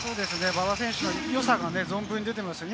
馬場選手のよさが存分に出ていますよね。